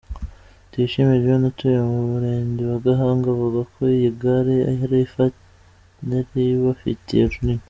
Tuyishime John utuye mu Murenge wa Gahanga, avuga ko iyi gare yari ibafatiye runini.